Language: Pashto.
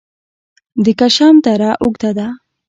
د کشم دره اوږده ده